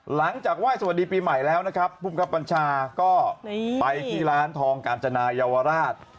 หลังจากไหว้สวัสดีปีใหม่แล้วนะครับภูมิครับบัญชาก็ไปที่ร้านทองกาญจนายาวราช